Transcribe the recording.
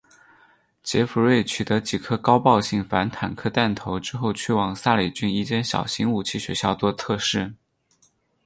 杰佛瑞取得几颗高爆性反坦克弹头之后去往萨里郡一间小型武器学校作测试。